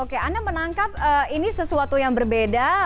oke anda menangkap ini sesuatu yang berbeda